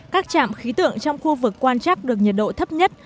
các trạm khí tượng trong khu vực quan trắc được nhiệt độ thấp nhất